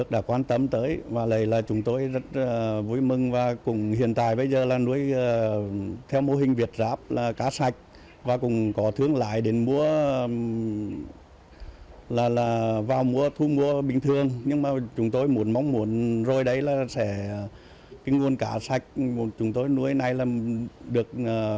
rồi đấy là sẽ cái nguồn cá sạch chúng tôi nuôi này là được nhà nước